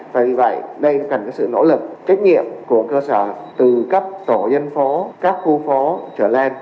và vì vậy đây cần sự nỗ lực trách nhiệm của cơ sở từ cấp tổ dân phố các khu phó trở lên